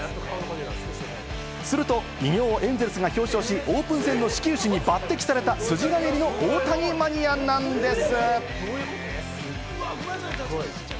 すると偉業をエンゼルスが表彰し、オープン戦の始球式に抜擢された、筋金入りの大谷マニアなんです！